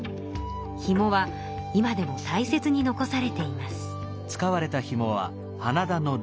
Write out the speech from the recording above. ひもは今でもたいせつに残されています。